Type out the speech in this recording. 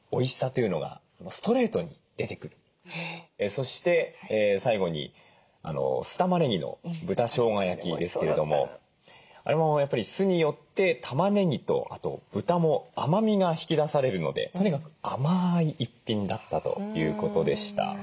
そして最後に酢たまねぎの豚しょうが焼きですけれどもあれもやっぱり酢によってたまねぎとあと豚も甘みが引き出されるのでとにかく甘い一品だったということでした。